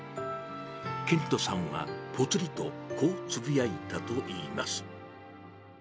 研人さんは、ぽつりとこうつぶやいたといいます。